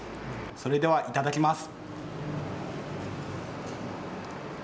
それでは、いただきます。